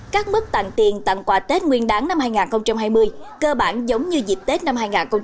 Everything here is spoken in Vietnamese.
các mức tặng tiền tặng quà tết nguyên đáng năm hai nghìn hai mươi cơ bản giống như dịp tết năm hai nghìn hai mươi